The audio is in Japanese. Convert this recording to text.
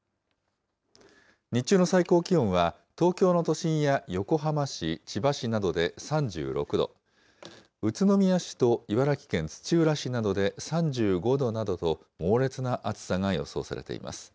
日中の最高気温は、東京の都心や横浜市、千葉市などで３６度、宇都宮市と茨城県土浦市などで３５度などと、猛烈な暑さが予想されています。